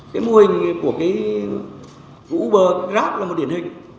cái mô hình của cái uber grab là một điển hình